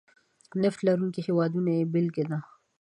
نفت لرونکي هېوادونه یې بېلګه ده.